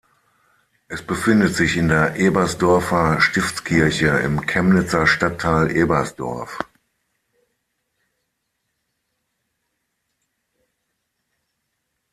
Es befindet sich in der Ebersdorfer Stiftskirche im Chemnitzer Stadtteil Ebersdorf.